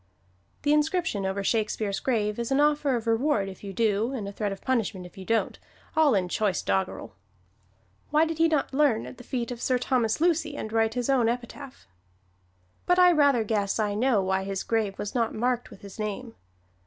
The inscription over Shakespeare's grave is an offer of reward if you do, and a threat of punishment if you don't, all in choice doggerel. Why did he not learn at the feet of Sir Thomas Lucy and write his own epitaph? But I rather guess I know why his grave was not marked with his name.